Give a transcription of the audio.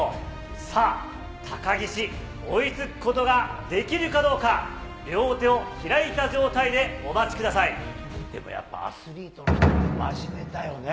さあ、高岸、追いつくことができるかどうか、両手を開いた状態でお待ちくださでもやっぱ、アスリートの人たちって真面目だよね。